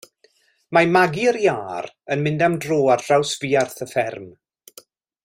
Mae Magi'r iâr yn mynd am dro ar draws fuarth y fferm.